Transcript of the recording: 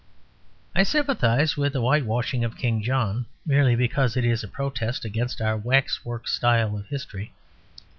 I sympathise with the whitewashing of King John, merely because it is a protest against our waxwork style of history.